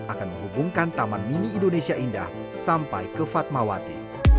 akan menghubungkan taman mini indonesia indah sampai ke fatmawati